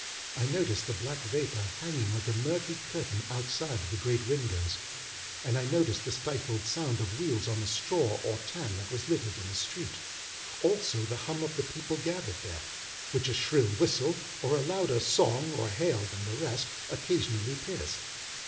I noticed the black vapour hanging like a murky curtain outside the great windows, and I noticed the stifled sound of wheels on the straw or tan that was littered in the street; also, the hum of the people gathered there, which a shrill whistle, or a louder song or hail than the rest, occasionally pierced.